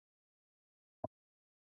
روبوټونه د خطرناکو کارونو لپاره ګټور دي.